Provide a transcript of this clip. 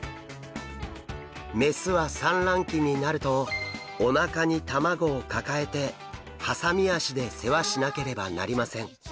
雌は産卵期になるとおなかに卵を抱えてハサミ脚で世話しなければなりません。